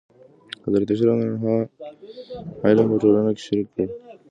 حضرت عایشه رضي الله عنها علم په ټولنه کې شریک کړ.